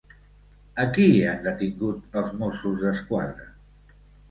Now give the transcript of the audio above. A qui han detingut els Mossos d'Esquadra?